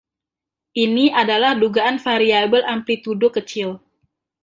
Ini adalah dugaan variabel amplitudo kecil.